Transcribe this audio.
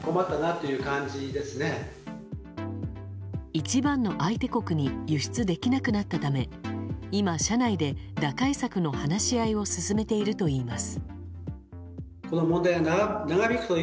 一番の相手国に輸出できなくなったため今、社内で打開策の話し合いを進めているといいます。